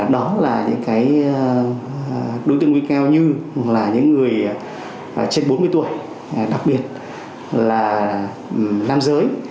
đó là những đối tượng nguy cơ cao như là những người trên bốn mươi tuổi đặc biệt là nam giới